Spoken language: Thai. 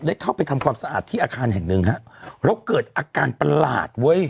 เข้าไปทำความสะอาดที่อาคารแห่งหนึ่งฮะแล้วเกิดอาการประหลาดเว้ย